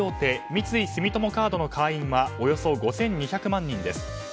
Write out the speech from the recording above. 三井住友カードの会員はおよそ５２００万人です。